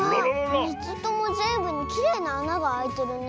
３つともぜんぶにきれいなあながあいてるね。